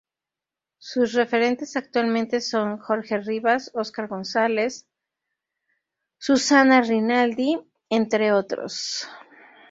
Sus referentes actualmente son Jorge Rivas, Oscar González, Susana Rinaldi, entre otros.